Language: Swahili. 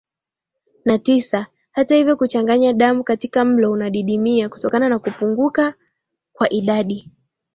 na tisa Hata hivyo kuchanganya damu katika mlo unadidimia kutokana na kupunguka kwa idadi